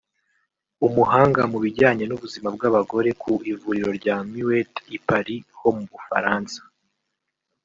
umuhanga mu bijyanye n’ubuzima bw’abagore ku Ivuriro rya Muette I Paris ho mu Bufaransa)